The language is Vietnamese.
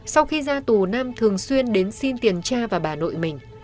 sau khi ra tù nam thường xuyên đến xin tiền cha và bà nội mình